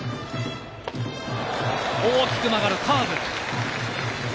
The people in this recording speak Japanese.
大きく曲がるカーブ。